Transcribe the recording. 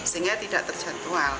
sehingga tidak terjadwal